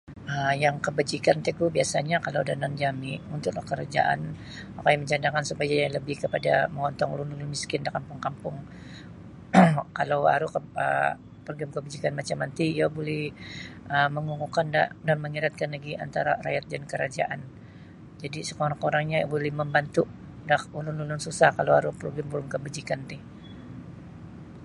um yang kabajikan ti gu biasa'nyo kalau da yanan jami' untuk kerajaan okoi mencadangkan supaya iyo lebih kapada mongontong da ulun-ulun miskin da kampung-kampung kalau aru progrim macam manti iyo buli mangukuhkan dan mangiratkan lagi antara rakyat dan kerajaan jadi' sakurang-kurangnyo buli mambantu' da ulun-ulun susah kalau aru progrim-progrim kabajikan ti.